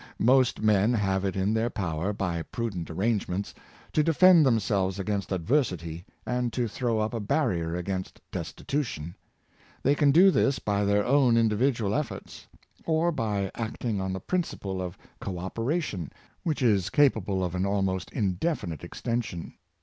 Most men have it in their power, by prudent arrange ments, to defend themselves against adversity, and to throw up a barrier against destitution. They can do this by their own individual efforts, or by acting on the principle of co operation, which is capable of an al most indefinite extension.